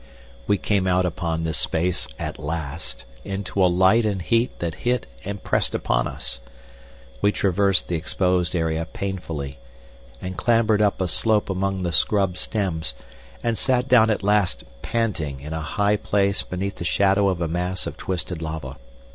We came out upon this space at last into a light and heat that hit and pressed upon us. We traversed the exposed area painfully, and clambered up a slope among the scrub stems, and sat down at last panting in a high place beneath the shadow of a mass of twisted lava.